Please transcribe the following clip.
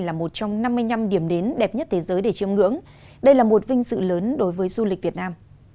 là một trong năm mươi năm điểm đến đẹp nhất thế giới để chiêm ngưỡng đây là một vinh sự lớn đối với du lịch việt nam